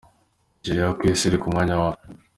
Nigeriya : ku isi iri ku mwanya wa .